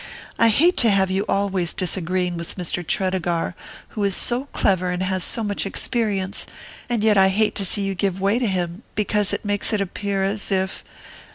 I hate to have you always disagreeing with Mr. Tredegar, who is so clever and has so much experience; and yet I hate to see you give way to him, because that makes it appear as if...